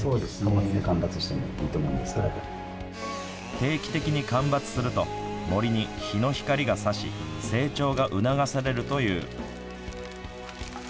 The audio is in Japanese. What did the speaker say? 定期的に間伐すると森に日の光がさし成長が促されるという。